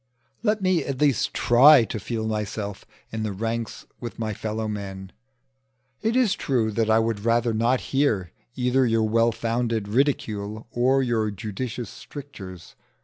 Let me at least try to feel myself in the ranks with my fellow men. It is true, that I would rather not hear either your well founded ridicule or your judicious strictures.